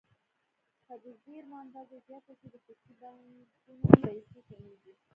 که د زېرمو اندازه زیاته شي د خصوصي بانکونو پیسې کمیږي.